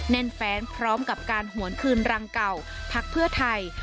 แน่นแฟนพร้อมกับการหวนคืนรังเก่าพักเพื่อไทย